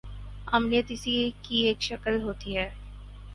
آمریت اسی کی ایک شکل ہوتی ہے۔